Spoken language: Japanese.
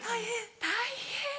大変！